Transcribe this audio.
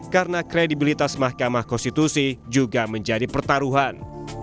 karena kredibilitas mahkamah konstitusi juga menjadi pertaruhan